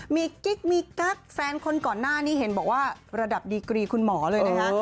มีกิ๊กมีกั๊กแฟนคนก่อนหน้านี้เห็นบอกว่าระดับดีกรีคุณหมอเลยนะฮะ